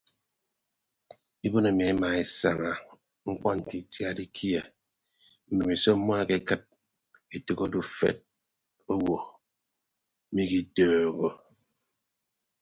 Ibon emi emaesaña mkpọ nte itiad ikie mbemiso ọmmọ ekekịd etәk odufed owo mmikitọọhọ.